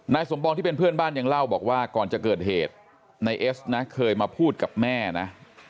สมปองที่เป็นเพื่อนบ้านยังเล่าบอกว่าก่อนจะเกิดเหตุนายเอสนะเคยมาพูดกับแม่นะ